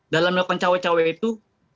dalam milikan cawi cawi itu